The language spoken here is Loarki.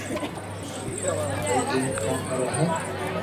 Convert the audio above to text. او ايم ڪون ڪري ھي